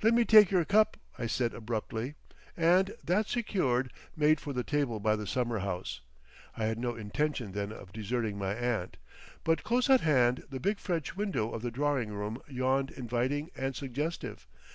"Let me take your cup," I said abruptly, and, that secured, made for the table by the summer house. I had no intention then of deserting my aunt. But close at hand the big French window of the drawing room yawned inviting and suggestive.